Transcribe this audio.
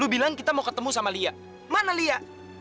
aku bilang kita mau ketemu sama lia mana lia